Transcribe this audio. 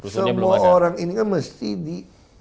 semua orang ini kan mesti di